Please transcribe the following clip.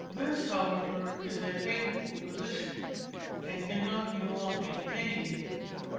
This, however, is a painful position, and cannot be long maintained.